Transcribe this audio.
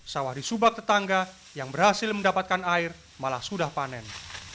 sawah di subak tetangga yang berhasil mendapatkan air malah sudah panen